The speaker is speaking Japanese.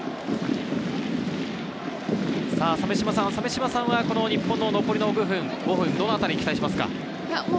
鮫島さんは日本の残り５分、どのあたりに期待しますか？